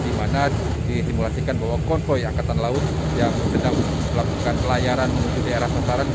di mana disimulasikan bahwa konvoy angkatan laut yang sedang melakukan pelayaran menuju daerah sementara